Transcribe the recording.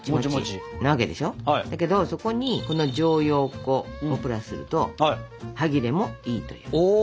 だけどそこにこの薯蕷粉をプラスすると歯切れもいいという。